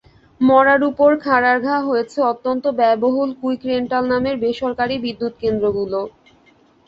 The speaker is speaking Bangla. মড়ার উপর খাঁড়ার ঘা হয়েছে অত্যন্ত ব্যয়বহুল কুইক রেন্টাল নামের বেসরকারি বিদ্যুৎকেন্দ্রগুলো।